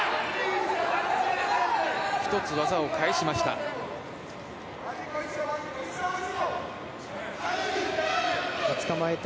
１つ技を返しました。